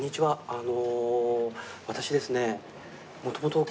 あの。